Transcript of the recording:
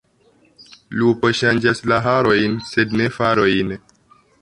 Lupo ŝanĝas la harojn, sed ne la farojn.